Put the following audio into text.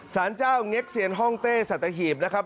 สารเจ้าเง็กเซียนห้องเต้สัตหีบนะครับ